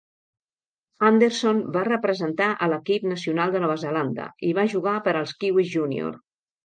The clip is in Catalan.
Anderson va representar a l'equip nacional de Nova Zelanda i va jugar per als Kiwis Júnior.